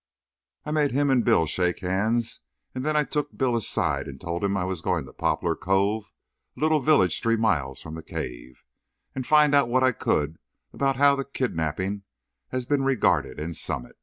I made him and Bill shake hands, and then I took Bill aside and told him I was going to Poplar Cove, a little village three miles from the cave, and find out what I could about how the kidnapping had been regarded in Summit.